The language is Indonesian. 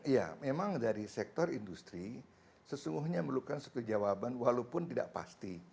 ya memang dari sektor industri sesungguhnya memerlukan satu jawaban walaupun tidak pasti